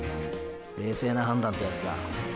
冷静な判断ってヤツだ。